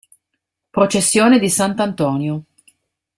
Processione di Sant'Antonio